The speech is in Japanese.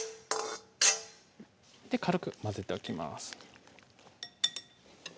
軽く混ぜておきます